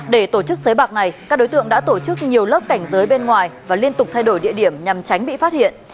để tổ chức sới bạc này các đối tượng đã tổ chức nhiều lớp cảnh giới bên ngoài và liên tục thay đổi địa điểm nhằm tránh bị phát hiện